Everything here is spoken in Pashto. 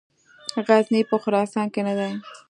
غزني په خراسان کې نه دی.